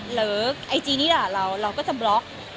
ไอจีนี้ด่าเราเราก็จะบล็อก